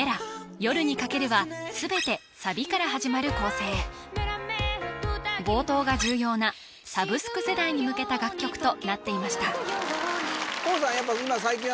「夜に駆ける」は全てサビから始まる構成冒頭が重要なサブスク世代に向けた楽曲となっていましたＫＯＯさん